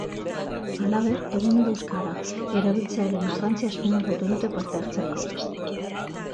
Halaber, egunero euskera erabiltzearen garrantzia azpimarratu dute parte-hartzaileek.